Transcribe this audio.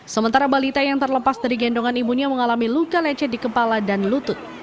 sementara balita yang terlepas dari gendongan ibunya mengalami luka lecet di kepala dan lutut